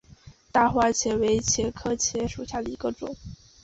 大花茄为茄科茄属下的一个种。